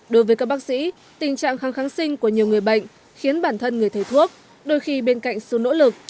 đối với các bác sĩ tình trạng kháng kháng sinh của nhiều người bệnh khiến bản thân người thầy thuốc đôi khi bên cạnh sự nỗ lực